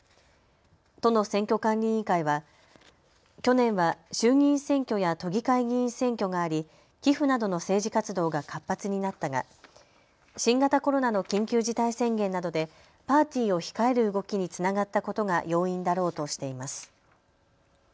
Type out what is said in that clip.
都の選挙管理委員会は去年は衆議院選挙や都議会議員選挙があり寄付などの政治活動が活発になったが新型コロナの緊急事態宣言などでパーティーを控える動きにつながったことが要因だろうとしています。